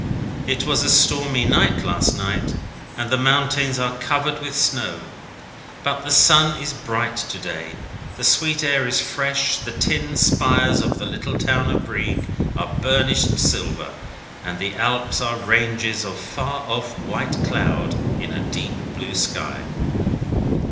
It was a stormy night last night, and the mountains are covered with snow. But the sun is bright to day, the sweet air is fresh, the tin spires of the little town of Brieg are burnished silver, and the Alps are ranges of far off white cloud in a deep blue sky.